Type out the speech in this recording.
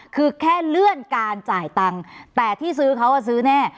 คือแค่เลื่อนการจ่ายตังค์แต่ที่ซื้อเขาซื้อแน่